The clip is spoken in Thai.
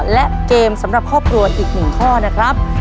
และเกมสำหรับครอบครัวอีก๑ข้อนะครับ